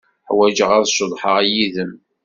Ḥwajeɣ ad ceḍḥeɣ yid-m.